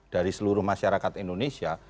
dari seluruh masyarakat indonesia